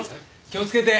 気をつけて。